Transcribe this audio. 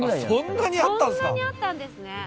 そんなにあったんですね。